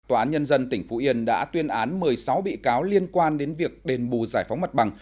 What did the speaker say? tòa án nhân dân tỉnh phú yên đã tuyên án một mươi sáu bị cáo liên quan đến việc đền bù giải phóng mặt bằng